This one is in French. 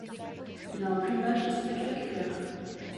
Il a un plumage spectaculaire.